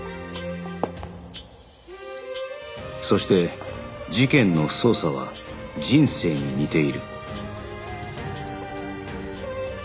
そして事件の捜査は人生に似ている